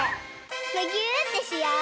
むぎゅーってしよう！